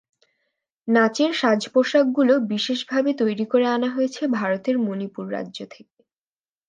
নাচের সাজপোশাকগুলো বিশেষভাবে তৈরি করে আনা হয়েছে ভারতের মনিপুর রাজ্য থেকে।